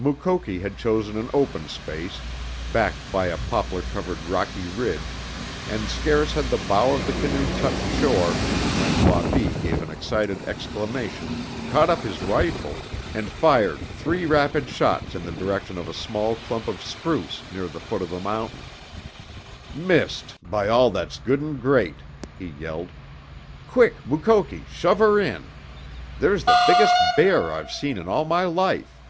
Mukoki had chosen an open space, backed by a poplar covered rocky ridge, and scarce had the bow of the canoe touched shore when Wabi gave an excited exclamation, caught up his rifle, and fired three rapid shots in the direction of a small clump of spruce near the foot of the mountain. "Missed, by all that's good and great!" he yelled. "Quick, Mukoki, shove her in! There's the biggest bear I've seen in all my life!"